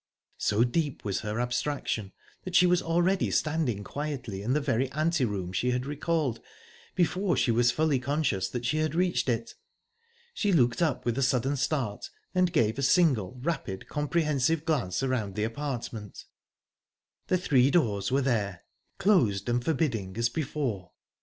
So deep was her abstraction that she was already standing quietly in the very ante room she had recalled, before she was fully conscious that she had reached it. She looked up with a sudden start, and gave a single rapid, comprehensive glance around the apartment. The three doors were there closed and forbidding, as before.